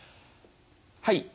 はい。